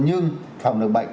nhưng phòng lực bệnh